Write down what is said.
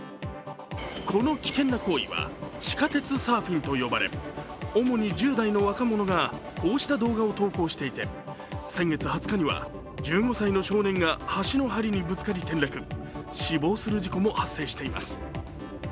この危険な行為は地下鉄サーフィンと呼ばれ主に１０代の若者がこうした動画を投稿していて、先月２０日には１５歳の少年が橋のはりにぶつかり転落、死亡する事故も発生しています。